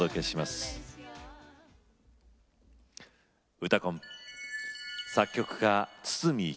「うたコン」。